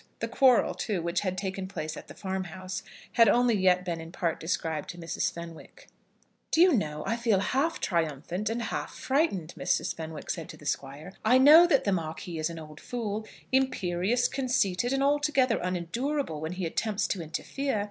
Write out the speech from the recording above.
The quarrel, too, which had taken place at the farmhouse had only yet been in part described to Mrs. Fenwick. "Do you know I feel half triumphant and half frightened," Mrs. Fenwick said to the Squire. "I know that the Marquis is an old fool, imperious, conceited, and altogether unendurable when he attempts to interfere.